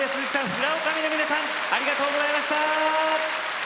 フラ女将の皆さんありがとうございました。